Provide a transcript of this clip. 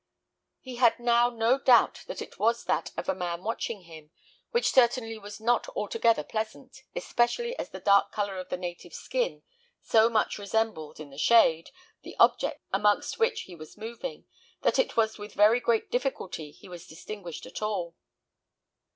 He had now no doubt that it was that of a man watching him, which certainly was not altogether pleasant, especially as the dark colour of the native's skin so much resembled, in the shade, the objects amongst which he was moving, that it was with very great difficulty he was distinguished at all.